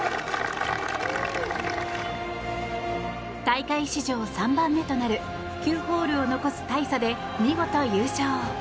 大会史上３番目となる９ホールを残す大差で見事優勝。